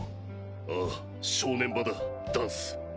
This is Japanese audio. ああ正念場だダンス。